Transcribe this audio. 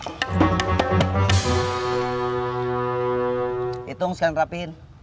hitung sekalian rapiin